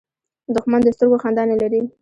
دښمن د سترګو خندا نه لري